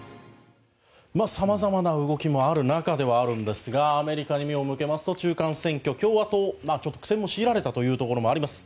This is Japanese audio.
さまざまな動きもある中ではあるんですがアメリカに目を向けますと中間選挙共和党、苦戦を強いられたということもあります